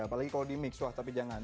apalagi kalau di mix wah tapi jangan